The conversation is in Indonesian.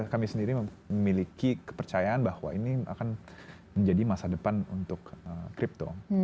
kami sendiri memiliki kepercayaan bahwa ini akan menjadi sebuah perjalanan yang sangat beruntung